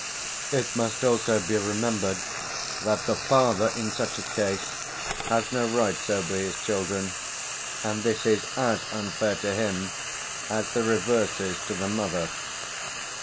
It must also be remembered that the father, in such a case, has no rights over his children, and this is as unfair to him as the reverse is to the mother.